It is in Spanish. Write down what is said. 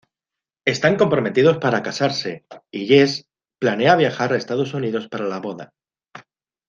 Están comprometidos para casarse y Jesse planea viajar a Estados Unidos para la boda.